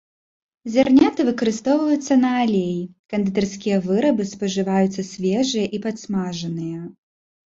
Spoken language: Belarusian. Зярняты выкарыстоўваюцца на алей, кандытарскія вырабы, спажываюцца свежыя і падсмажаныя.